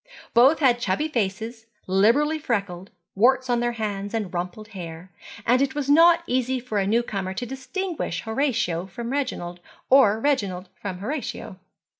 Both had chubby faces, liberally freckled, warts on their hands, and rumpled hair; and it was not easy for a new comer to distinguish Horatio from Reginald, or Reginald from Horatio.